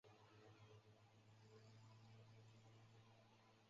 获释后经中国逃离朝鲜。